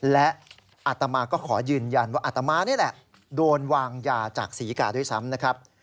และอัตมาก็ขอยืนยันว่าอัตมานี่แหละโดนวางยาจากศรีกาด้วยซ้ำนะครับ